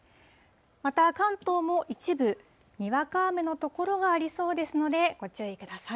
また関東も一部、にわか雨の所がありそうですので、ご注意ください。